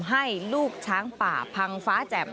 ให้ลูกช้างป่าพังฟ้าแจ่ม